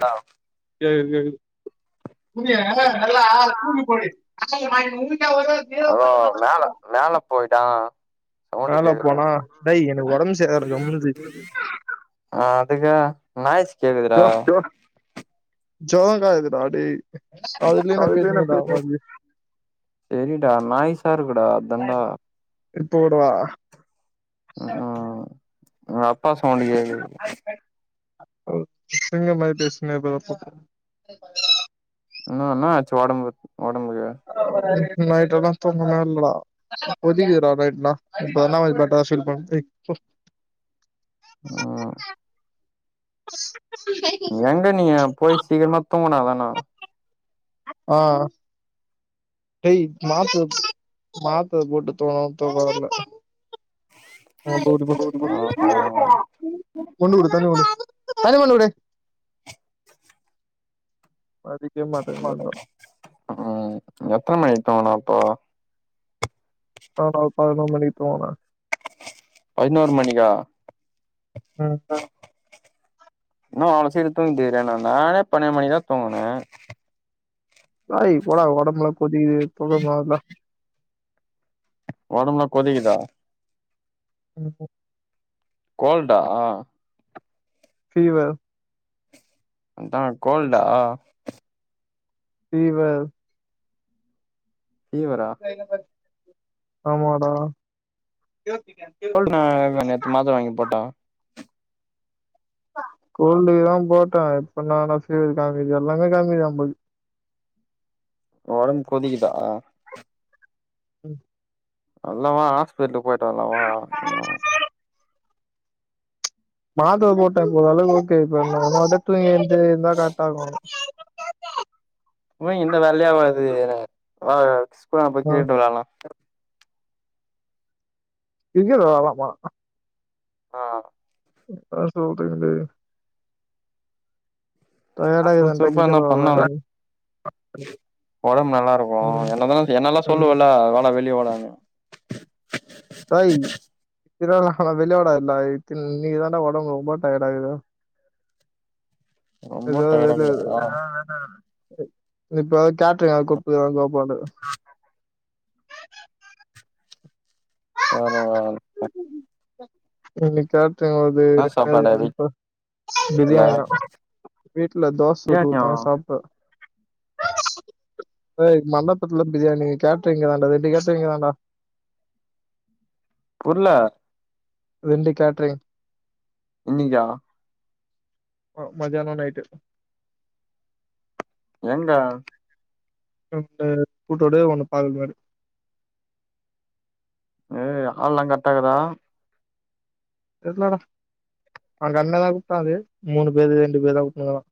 டாவ் கேக்குது கேக்குது துணிய நல்லா தூக்கி போடு ஆள் மணி உங்களுக்கா ஒரு அதோ தேவைப்பட்ட மாதிரி மேல இருக்கும். மேல போயிட்டா சவுண்டு மேல கேக்குது போனா டேய் எனக் ஒடம்பு செரியால்ல கம்முனு இரு அ அதுக்கா நாய்ஸ் கேக்குதுறா ஜொரங்காயுதுடா டே அதுலயு நா பேசிங்கிறான்டா வந்து தெரியுண்டா நாய்ஸ்சா இருக்குடா அதான்டா இப்ப கூடவா ம் ம் அத அப்பா சவுண்டு கேக்குது சிங்க மாரி பேசினா இப்பதா இன்ன இன்னா ஆச்சி ஒடம்பு ஒடம்புக்கு நைட் எல்லா தூங்கவே இல்லடா கொதிக்கிதுறா நைட்ல இப்பதான்டா ஒரு பொட்டாஷியல் பட்தே ம் எங்க நீயே போய் சீக்கிரமா தூங்குணாதானா ம் டேய் மாத்திர மாத்திர போட்டு தூங்கனாலு தூக்க வர்ல கொண்டு விடு தண்ணி கொண்டு தண்ணி கொண்டு விடு பதிக் ம் எத்தன மணி தூங்குன அப்போ நானா பத்னொர் மணிக்கு தூங்கன பைனோர் மணிக்கா ம் இன்னோ அவ்ளோ சீக்கிரோ தூங்கிட்ருக்க நாந்தா நானே பண்ணென்டு மணிக்தா தூங்கின வேலைக் போன ஒடம்புலா கொதிக்கிது தூக்கமா வந்தா ஒடம்புலா கொதிக்கிதா என்னப்போ கோல்டா ஃபீவர் அதா கோல்டா ஃபீவர் ஃபீவரா ஆமாடா கோல்டு நா இப்ப நேத்து மாத்துர வாங்கி போட்டோ கோல்டுக்குதா போட்ட இப்ப நா ஆனா ஃபீவர் காமிக்குது எல்லாமே காமிக்குது நம்புல்க்கு ஒங் ஒடம் கொதிக்குதா ம் அல்னா வா ஆஸ்பிட்லுக் போய்ட்டு வர்லா வா மாத்திர போட்ட இப்ப ஓரளவுகு ஓகே இப்ப நா பாட்டு தூங்கி எழ்ந்து இருந்தா கர்ட்டா இருக்கு தூங்கிர்ந்தா வேல்யே ஆவாது வா ஸ்கூலாண்ட போய் ஆ கிரிக்கெட் விளாட்லா கிரிக்கெட் விளால்லாமா ஆ காஸ்த்து உட்த்துங்குது வேற எதுனா டயர்டாக இருக்குதுன்ட்டா சுறுச்சுறுப்பா கிரிக்கெட் எதுனா விளாடலாம் பண்ணாதா நீ ஒடம் நல்லா இருக்கு ம் எனக்குந்தா வந்சு என்னலா சொல்லுவல வாடா வெளிய வடானு டேய் ஃபிபர்னால வெளோகுடாது டேய் தின் இன்னிக்கு தாண்டா ஒடம்பு ரொம்போ டயடாகுது ரொம்போ டயர்டா இருக்குதா இப்பதா கேட்ருக்க கூப்ட்டுதா பாப்போனு ஆஹ ஆ நா வார இன்னிக் கேட்ரிங் ஆட்ரு என்ன இருக்கா சாப்பாடு எங்குளுக் நைட்டா வீட்ல பிரியாணியா வீட்ல தோஸ் பிரியாணியா சுட்டுகுட்த்தாங்க சாப்ட்ட டேய் மண்டபத்துல பிரியாணி கேட்றீங்குதாண்டா ரெண்டு கேட்டுறீங்கு தாண்டா புர்ல ரெண்டு கேட்ரிங் இன்னிக்கா அ மதியானோ நைட்டு எங்க ரெண்டு இது கூட்டோனே வர்னு பாக்ற மாரி ஏ ஆள்லா கர்ட்டா இகுதா தெர்லடா அங்க அண்ணதா கூப்ட்டாரு மூணு பேரு ரெண்டு பேர்தா கூப்ட்னுக்காரா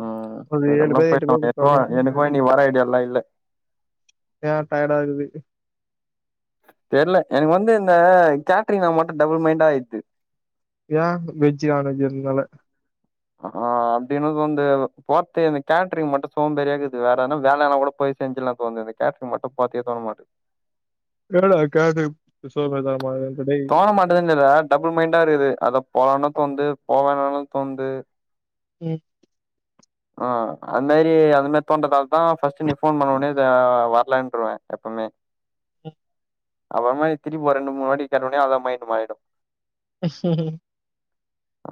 ம் ஒரு சரி ஏழு அப்பனா பேர் எட்டு போயிட்டு பேர் வா கூப்ட்டாங்ளா எனக்கோ இங்க எனக்கோ நீ வர ஐடியாலா இல்ல ஏன் டயர்டா இர்குது தெர்ல எனக்கு வந்து இந்த கேட்ரிங்னா மட்டு டபுள் மைண்டா ஆய்ர்து ஏன் வெஜ்ஜு நான்வெஜ் இருந்தால ஆ அப்டினு வந்து போர்த்தே எனக் கேட்ரிங் மட்டு சோம்பேரியா இர்க்குது வேற எதுனா வேலனா கூட போய் செஞ்சுர்லா தோணுது கேட்ரிங் மட்டு பாக்கயே தோண மாட்டுக் இது என்னடா இர்க்கு அது இத் சோர் பர்மாற மார் இருக்கு டேய் தோண மாட்டதுன் இல்லடா டபுள் மைண்டா இருக்குது அதா போலானு தோண்து போவேண்டானு தோண்து ம் ஆ அது மாரி அது மாரி தோன்றதால்தா ஃபஸ்ட்டு நீ ஃபோன் பண்ண ஒட்னே இது வர்லன்ட்ருவ எப்பமே ம் அப்புறமா நீ திரும்பி ஒர் ரெண்டு மூணு வாட்டி கேட்டோனே அதா மைண்டு மாறிடு அ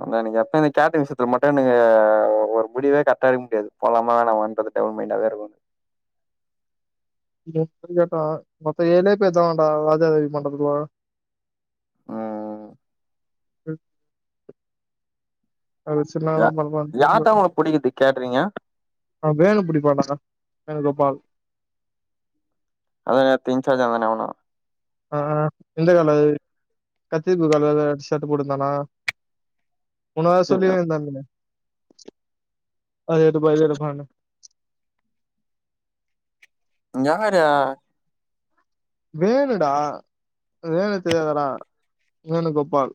அதா எனக் எப்ப இந்த கேட்ரிங் விஷுத் து மட்டு எனக்கு ஒர் ஒரு முடிவே கர்ட்டா எடுக் முடியாது போலாமா வேணாமாண்றது டபிள் மைண்டாவே இருக்கு அது இன்னிக்கு வரியாடா மொத்த ஏழே பேர்தானாண்டா ராஜாதேவி மண்டபத்துவா ம் யா யார்டா உனக்கு புடிக்குது கேட்றீங்க [unintelligible] ஆ வேணு புடிப்படா [inaudible] வேணுகோபால் அதுன திங்க்ஸ் [unintelligible] எவனு ஆ இந்த கலர் கத்திரிப்பூ கலர்ல ஷர்ட் போட்டுந்தானா உன்ன தா அவனா சொல்லின்னு இருந்தாங்களே அது எடுப்பா இது எடுப்பானு யாரு வேணுடா வேணு தெரியாதா டா வேணுகோபால்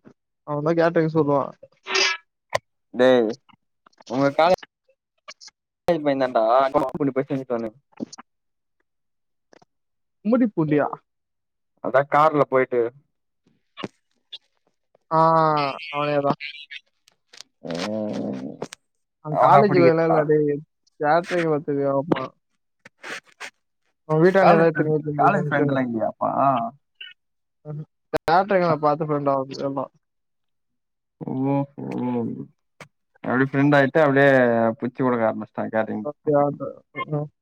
அவே தா கேட்ரிங் சொல்லுவா டே உங்க காலே லேஜ் பையே தான் டா [inaudible] குமுடி பூண்டியா அதா கார்ல போயிட்டு ஆ அவனே தான் அவே அவன் தான் காலேஜ் புடிக்குதா வேலால டே கேட்டரிங் வச்சிருக்காங்கப்பா உன் வீட்டான்ட காலேஜ் யாராது தெரிமா ஃப்ரெண்ட் காலேஜ் [unintelligible] சொன்ன ஃப்ரெண்ட்லா இல்லையாப்பா கேட்டரிங்ல நா பாத்து ஃப்ரெண்ட் [inaudible] ஒஹோ ஒஹோ அப்டி ஃப்ரெண்ட் ஆயிட்டு அப்டியே பிச்சி புடுங்க ஆரம்பிச்ட்டா கேட்ரிங் [unintelligible]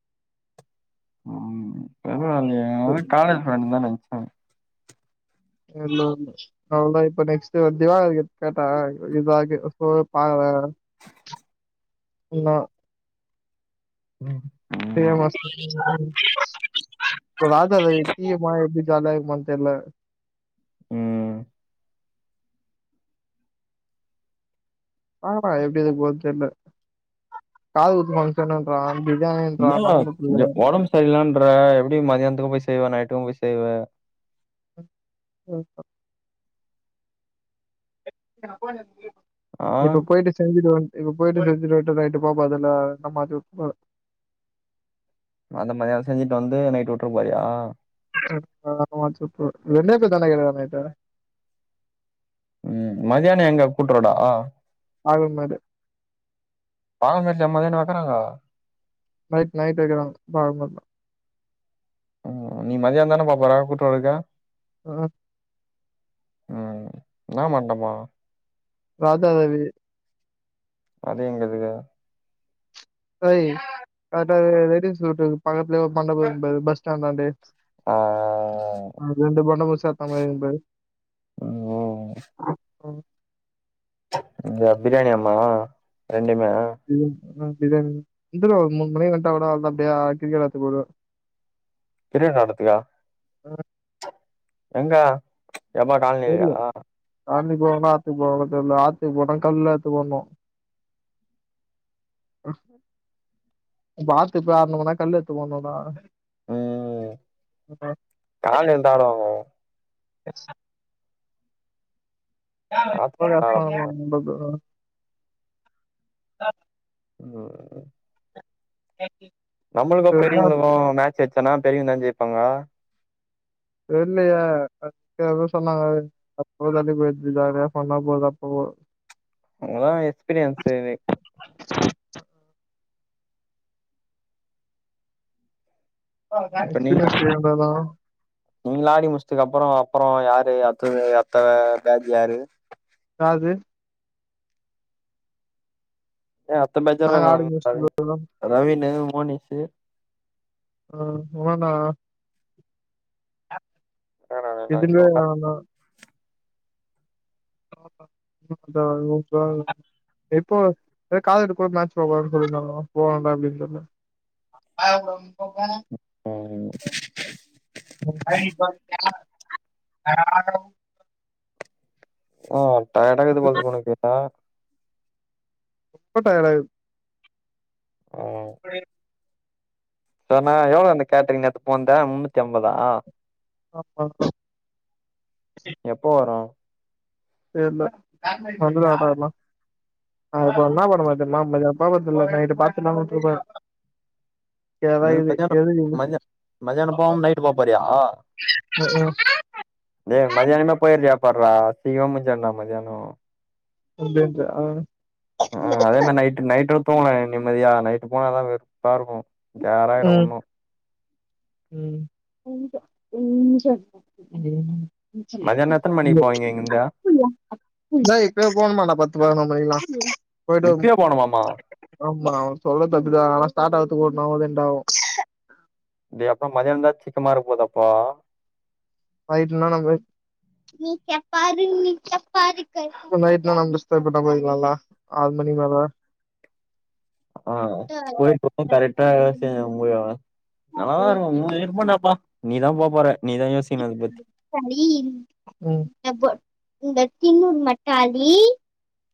ம் பரவால்லயே அவே காலேஜ் ஃப்ரெண்ட் தா நென இல்ல அவ்ளதா இப்போ நெக்ஸ்ட் திவாகர் கிட்ட கேட்டே [unintelligible] சொல் பாக்குறே ன்னா ம் [inaudible] இப்ப ராஜா [unintelligible] போனா எப்டி ஜால்யா இக்குமானு தெர்ல ம் பாக்லா எப்டி இருக்க போதுன் தெர்ல காது குத்துவங் தெர்லன்றா [unintelligible] ன்றா நம்முக்கு செய்லான்ற எப்டி மதியானத்துக்கு போய் செய்வ நைட்டுக்கு போய் செய்வ [inaudible] ஆ இப்ப போயிட்டு செஞ்சிடுவே இப்ப போயிட்டு செஞ்சுட்வன்ட்டு நைட்டு பாப்பே இல்லனா மாத்தி உட்ருவே அந்த மதியான செஞ்சுட்டு வந்து நைட்டு உட்ரு போறியா [inaudible] வாட்சப்பு வெங்காயத்த [unintelligible] நைட்டு ம் மதியான எங்க கூட்ரோடா அகமது பாதாம் [unintelligible] மதியானோ வைக்கறாங்க நைட் நைட் வைக்கிறாங்க பாதாம் [unintelligible] ம் நீ மதியானந்தானப்பா போற கூட்ரோருக்கா ஆ ம் இன்னா மண்டபோ ராதா ரவி அது எங்கதுக்கு ஓய் ஆட்டோ ரெட்ஹில்ல உட்டுவ பக்கத்துல மண்டபர்க்பாரு பஸ்ஸ்டாண்டான்டே ஆ அ ரெண்டு பண்டமு சேத்த மாரியிர்க்பாரு ம் இந்த பிரியாணியாமா ரெண்டுமே [inaudible] ரெண்டுல்ல ஒரு முண் மணி வன்ட்டா கூட அவளதா அப்டியே கிக்கட் வெளாட்டு போது பிரியா நடத்துலயா ம், எங்க எம் ஆர் கால்னிலயா கால்னி போவ்னா ஆத்துக்கு போவ்னா தெர்ல ஆத்துக்கு போனா கல்லா எத்து போணு இப்ப ஆத்துக் போனமுனா கல்லு எத்து போனுமன்டா ஹலோ கால்ல எந்தாளு ஆத்துல ஆட [inaudible] ம் நம்பளுக் சரி, என்ன? பெரியவங்களுக்கு மேட்ச் வச்சன்னா பெரியவங்தா ஜெய்ப்பாங்க தெர்லையே ஏதோ சொன்னாங்க அப்ப போ [unintelligible] போது ஜாலியா ஃபன் ஆ போகு அப்போ அவங்கதா எக்ஸ்பீரியன்ஸ் இனி எக்ஸ்பிரியன்ஸ் இருந்தாதா நீங்ளா ஆடி முடிஸ்துக் அப்பறோ அப்றோ யாரு அத்தது அத்த பேஜ் யாரு யாது ஏ அத்த பேஜார்ரா நாங்க ஆடி நான் அது முடிச்சிட்டோம் ரவீனு மோனிஷ்ஷு ஆ உவண்ணா எதுகே ஆனா [unintelligible] இப்போ ஏ காதருகூட மேட்ச் போகனு சொல்லிர்ந்தாங்கோ போறாங்ளா எப்டின் தெர்ல ஆயாகூட ம் போங்க ம் ம் பழைக்கோ ஓகேவா ராகவ் ஆ டயர்டாகிது போல்து இப்பொனக்கு ஆ ரொம்ப டயடாகது ஆ [unintelligible] தோ ண எவ்ளோ அந்த கேட்ரிங் நேத்து போந்த முன்னூத்தி ஐம்பதா ஆ ஆ எப்போ வரு தெர்ல வந்துடூ ஆட்டால்ல நா இப்ப இன்னா பண்ணபோற தெர்மா மதியாணோ போபோர்துல நைட்டு பாத்துலாவுட்டுரப்போறே ஏனா என்னது இது மதியானோ எதுக்கிது மதியா மதியானோ போவாம நைட்டு போப்போரியா ம் ஏய் மதியானமே போய்றியாபார்றா சீகம் முஞ்சுண்டா மதியானோ அப்டின்ற ஆ ஆ அதே த நைட்டு நைட்டு தூங்கலா நிம்மதியா நைட்டு போனாதா வெறுப்பாருக்கு கேராயிடு ஒன்னு ம் கொஞ்சோ கொஞ்சம் ம் மதியானோ எத்தன மணிக்கு போவீங்க இங்கிருந்து [unintelligible] டேய் இப்பவே போணுமாடா பத்து பணோமணிகிலா போயிட்டு ம் இப்பயே போணுமாமா ஆமா அவங்க சொல்றது அதுதா ஆனா ஸ்டார்ட் ஆவுரதுக்கு ஒன்னாவு ரெண்டாவு டே அப்பா மதியானந்தா சிக்கமாரப்போதப்பா நைட்டுனா நாங்கோ நைட்ல நா இஷ்டபட்டா போய்க்லால்லா ஆறு மணி மேல ஆ கோயில்க் மட்டு கரக்டா சேஞ்சி கும்முறுறாங்க நல்லாதாஇருக்கு நெ இருப்பண்டாப்பா நீ தா பா போற நீ தா யோசிக்கிணு அத பத்தி டாலீ ம் அ பொ இந்த திந்நூர் மட்டு அழி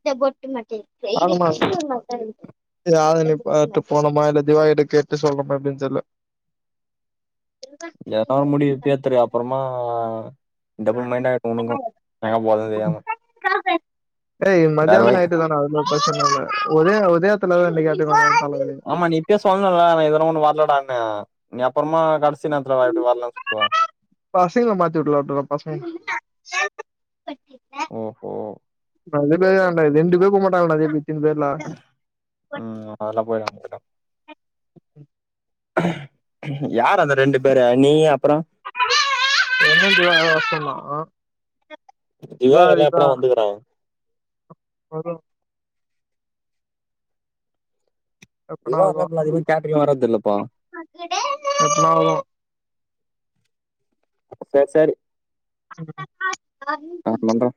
இந்த பொட்டு மட்ட இரு இரு இரு ஆமாம்மா திந்நூர் மட்டு இர்க்கிட் யாழ்னீ பாத்து போனுமா இல்ல திவாகிட்ட கேட்டு சொல்லணோமா எப்டின் தெர்ல எதனா முடிவு இப்பேத்துரு அப்பறமா டபுள் மைண்ட் ஆய்டு உனுக்கு எங்க போகது தெரியாம சாப்டு ஏய் வேற மதியாணோ வழி நைட்டு என்னடா ஆவ்து பஸ்ஸுமில்லை உதய உதயத்துல [inaudible] ஆமா நீ இப்யே சொல்னுல அவ எதானா ஒன்னு வரலாடான்னு நீ அப்பறமா கடசி நேரத்ல வர எப்டி வரலன்னு சொல்லுவ பசங்க மாத்தி வுட்ருவ அப்ற பசங்க ஒ ஹோ அதே பேர் தான்டா ரெண்டு பேர் போ மாட்டாங்கடா வீந்திருச்னு பேர்ல ம் அதெல்லாம் போய்ர்லாண்டா போடா ம் ம் யார் அந்த ரெண்டு பேரு நீ அப்புற என்ன சொன்னான் [unintelligible] ஏ எல்லா எப்படா வந்துக்கறா [unintelligible] எப்பனா இதுவா வரு வரதுல அது கேட்டுக்கெல்லா வறதுல்ல்லப்பா [unintelligible] சர் சரி [unintelligible] ஆ நந்தா